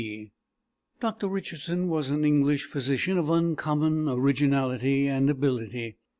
D. [Dr. Richardson was an English physician of uncommon originality and ability.